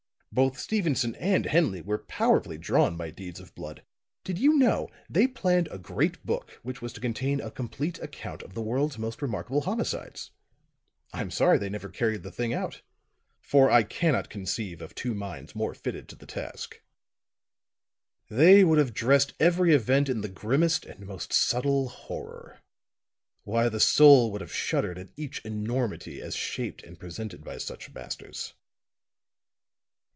Both Stevenson and Henley were powerfully drawn by deeds of blood. Did you know they planned a great book which was to contain a complete account of the world's most remarkable homicides? I'm sorry they never carried the thing out; for I cannot conceive of two minds more fitted to the task. They would have dressed every event in the grimmest and most subtle horror; why, the soul would have shuddered at each enormity as shaped and presented by such masters."